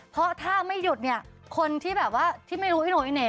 เพราะถ้าไม่หยุดเนี่ยคนที่แบบว่าที่ไม่รู้อีโน่อีเหน่